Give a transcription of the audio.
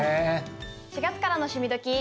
４月からの「趣味どきっ！」。